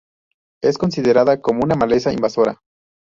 Es considerada como una maleza invasora.